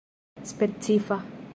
specifa